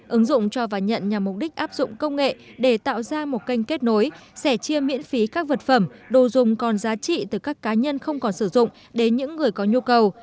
ứng dụng cho và nhận nhằm mục đích áp dụng công nghệ để tạo ra một kênh kết nối sẻ chia miễn phí các vật phẩm đồ dùng còn giá trị từ các cá nhân không còn sử dụng đến những người có nhu cầu